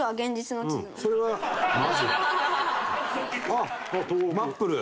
あっ『マップル』。